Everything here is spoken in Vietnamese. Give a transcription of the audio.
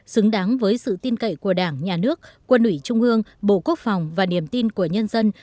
xứng đáng với sự tin cậy của đảng nhà nước quân ủy trung ương bộ quốc phòng và niềm tin của nhân dân